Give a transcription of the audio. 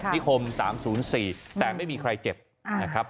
นิคม๓๐๔แต่ไม่มีใครเจ็บนะครับ